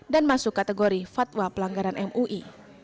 masuk kategori fatwa pelanggaran mui